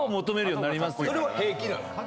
それは平気なの？